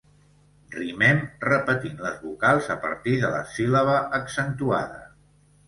Rimem repetint les vocals a partir de la síl·laba accentuada.